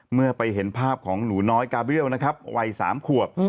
เมื่อไปเห็นภาพของหนูน้อยกาเบี้ยวนะครับวัย๓ขวบ